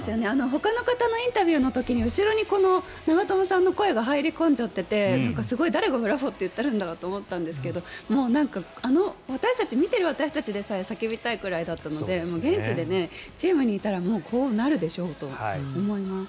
ほかの方のインタビューの時に後ろに長友さんの声が入り込んじゃってて誰がブラボーって言ってるんだろうと思ったんですが見ている私たちでさえ叫びたいくらいだったので現地でチームにいたらこうなるでしょうと思います。